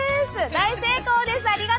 大成功です！